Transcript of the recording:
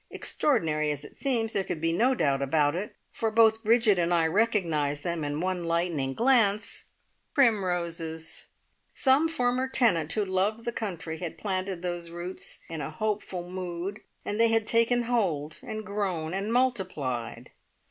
extraordinary as it seems, there could be no doubt about it, for both Bridget and I recognised them in one lightning glance primroses! Some former tenant who loved the country had planted those roots in a hopeful mood, and they had taken hold, and grown, and multiplied.